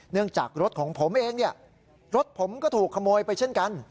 เนื่องจากรถของผมเองรถผมก็ถูกขโมยไปเช่นกัน